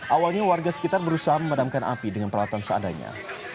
awalnya warga sekitar berusaha memadamkan api dengan peralatan seadanya